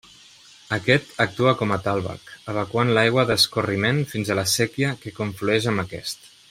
Aquest actua com a tàlveg evacuant l'aigua d'escorriment fins a la séquia que conflueix amb aquest.